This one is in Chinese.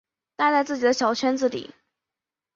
待在自己的小圈子里